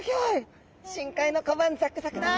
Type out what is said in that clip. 深海の小判ザクザクだ！